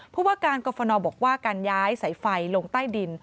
ผู้ว่าการกรฟนบอกว่าการย้ายสายไฟลงใต้ดิน